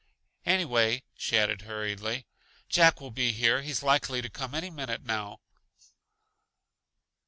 "Anyway," she added hurriedly, "Jack will be here; he's likely to come any minute now."